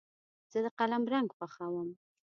زه د قلم رنګ خوښوم.